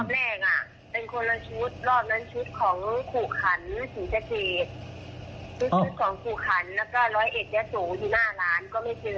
มีรถคันนี้แต่เขาไม่บอกว่าเป็นใคร